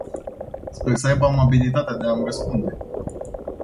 Sper să aibă amabilitatea de a-mi răspunde.